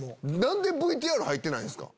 何でＶＴＲ入ってないんすか？